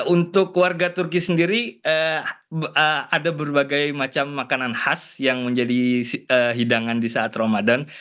untuk warga turki sendiri ada berbagai macam makanan khas yang menjadi hidangan di saat ramadan